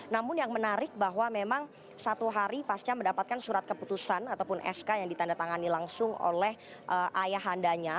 namun yang menarik bahwa memang satu hari pasca mendapatkan surat keputusan ataupun sk yang ditandatangani langsung oleh ayahandanya